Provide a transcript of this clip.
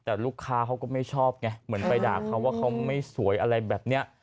แต่ลูกค้าเขาก็ไม่ชอบไงเหมือนไปด่าเขาว่าเขาไม่สวยอะไรแบบนี้